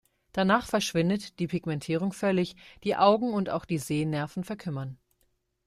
Danach verschwindet die Pigmentierung völlig, die Augen und auch die Sehnerven verkümmern.